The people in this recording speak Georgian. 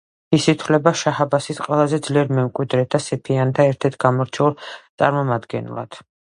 ის ითვლება შაჰ-აბასის ყველაზე ძლიერ მემკვიდრედ და სეფიანთა ერთ-ერთ გამორჩეულ წარმომადგენლად.